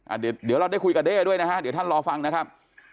เดี๋ยวเราได้คุยกับเด้ด้วยนะฮะเดี๋ยวท่านรอฟังนะครับ